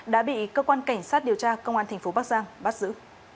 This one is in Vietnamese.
đã bị cơ quan cảnh sát điều tra công an tp bắc giang bắt giữ